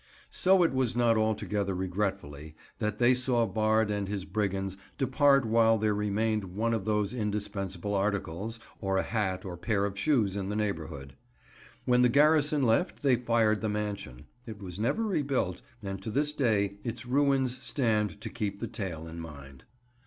So it was not altogether regretfully that they saw Bard and his brigands depart while there remained one of those indispensable articles, or a hat, or pair of shoes in the neighbourhood. When the garrison left, they fired the mansion. It was never rebuilt, and to this day its ruins stand to keep the tale in mind.